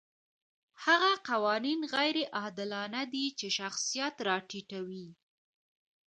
هغه قوانین غیر عادلانه دي چې شخصیت راټیټوي.